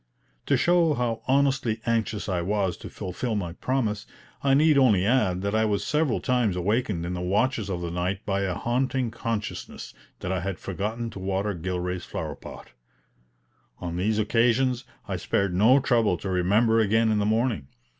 To show how honestly anxious I was to fulfil my promise, I need only add that I was several times awakened in the watches of the night by a haunting consciousness that I had forgotten to water Gilray's flower pot. On these occasions I spared no trouble to remember again in the morning.